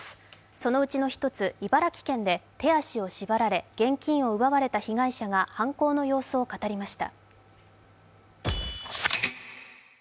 そのうちの１つ、茨城県で手足を縛られ現金を奪われた被害者が犯行の様子を語りました。